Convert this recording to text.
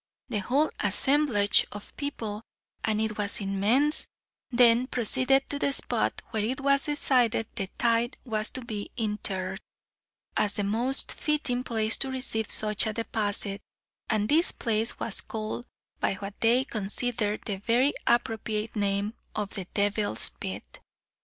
The whole assemblage of people, and it was immense, then proceeded to the spot where it was decided the tithe was to be interred, as the most fitting place to receive such a deposit, and this place was called by what they considered the very appropriate name of "The Devil's Bit."